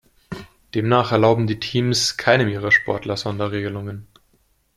Demnach erlauben die Teams keinem ihrer Sportler Sonderregelungen.